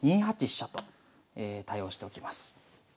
２八飛車と対応しておきます。